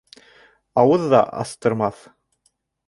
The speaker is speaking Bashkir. Ауыҙ ҙа астырмаҫ.